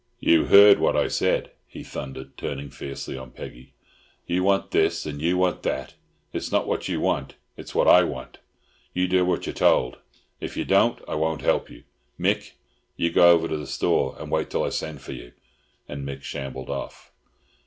"You heard what I said," he thundered, turning fiercely on Peggy. "You want this and you want that! It's not what you want, it's what I want! You do what you're told. If you don't—I won't help you. Mick, you go over to the store, and wait till I send for you." And Mick shambled off.